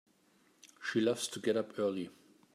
She loves to get up early.